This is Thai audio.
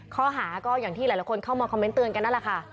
ข้อหาก็อย่างที่หลายคนเข้ามาคอมเมนต์เตือนกันนั่นแหละค่ะ